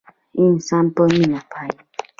انسانان په مينه پايي